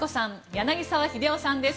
柳澤秀夫さんです。